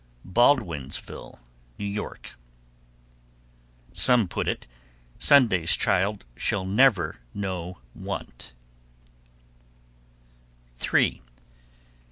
Baldwinsville, N.Y. (Some put it, Sunday's child shall never know want.)